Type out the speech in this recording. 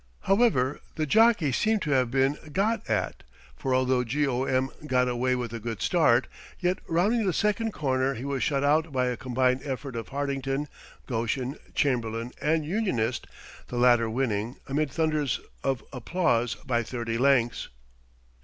However, the jockeys seem to have been 'got at,' for although G. O. M. got away with a good start, yet rounding the second corner he was shut out by a combined effort of Hartington, Goschen, Chamberlain, and Unionist, the latter winning, amid thunders of applause, by 30 lengths."